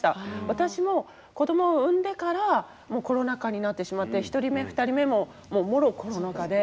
私も子どもを産んでからコロナ禍になってしまって１人目２人目ももうもろコロナ禍で。